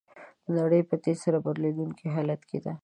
نړۍ په تېزۍ سره بدلیدونکي حالت کې ده.